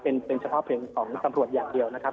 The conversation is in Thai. เป็นเฉพาะเพลงของตำรวจอย่างเดียวนะครับ